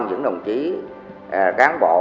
cho những đồng chí cán bộ